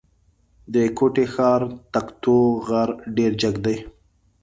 د کوټي ښار تکتو غر ډېر جګ دی.